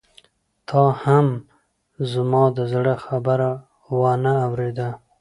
تا هم زما د زړه خبره وانه اورېده.